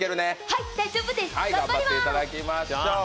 はい、大丈夫です、頑張ります。